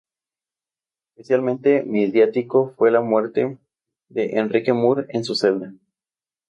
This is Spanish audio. Especialmente mediático fue la muerte de Enrique Mur en su celda.